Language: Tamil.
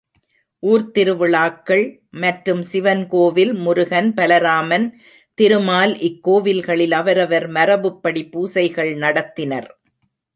ஊர்த்திருவிழாக்கள் மற்றும் சிவன்கோவில், முருகன், பலராமன், திருமால் இக்கோவில்களில் அவரவர் மரபுப்படி பூசைகள் நடத்தினர்.